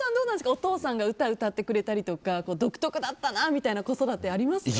お父さんが歌を歌ってくれたりとか独特だったなっていう子育てありましたか？